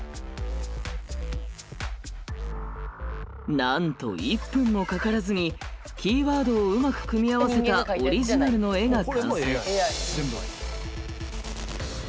なんと１分もかからずにキーワードをうまく組み合わせたオリジナルの絵が完成。